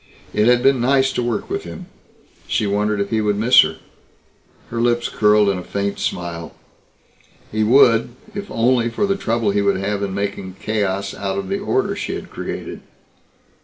It had been nice to work with him. She wondered if he would miss her. Her lips curled in a faint smile. He would, if only for the trouble he would have in making chaos out of the order she had created.